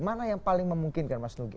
mana yang paling memungkinkan mas nugi